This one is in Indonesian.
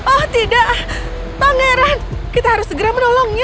oh tidak pangeran kita harus segera menolongnya